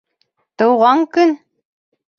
Тыуған көн!